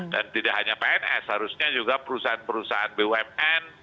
dan tidak hanya pns harusnya juga perusahaan perusahaan bumn